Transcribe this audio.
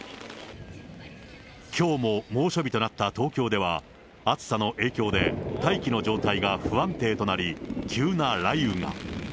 きょうも猛暑日となった東京では、暑さの影響で、大気の状態が不安定となり、急な雷雨が。